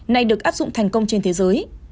nay được áp dụng thành công trên thế giới